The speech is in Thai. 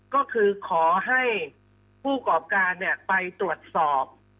ก็คือขอให้ผู้กรอบการไปตรวจสอบ